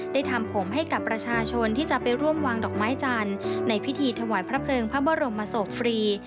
ทำผมให้กับประชาชนที่จะไปร่วมวางดอกไม้จันทร์ในพิธีถวายพระเพลิงพระบรมศพฟรี